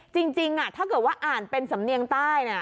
จริงถ้าเกิดว่าอ่านเป็นสำเนียงใต้นะ